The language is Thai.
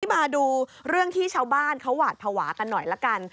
มาดูเรื่องที่ชาวบ้านเขาหวาดภาวะกันหน่อยละกัน